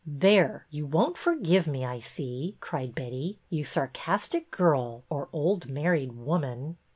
'' There ! You won't forgive me, I see," cried Betty. ''You sarcastic girl — or old married woman